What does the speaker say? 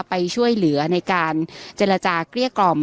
ไปช่วยเหลือในการเจรจาเกลี้ยกล่อม